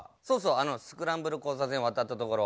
そうそうあのスクランブル交差点渡った所。